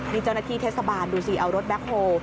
นี่เจ้าหน้าที่เทศบาลดูสิเอารถแบ็คโฮล